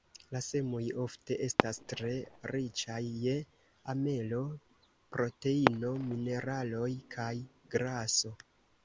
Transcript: La semoj ofte estas tre riĉaj je amelo, proteino, mineraloj kaj graso.